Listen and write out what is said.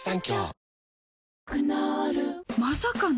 クノールまさかの！？